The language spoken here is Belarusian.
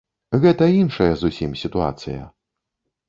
Гэта іншая зусім сітуацыя.